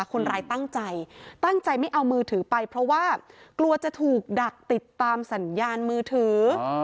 คนร้ายตั้งใจตั้งใจไม่เอามือถือไปเพราะว่ากลัวจะถูกดักติดตามสัญญาณมือถือ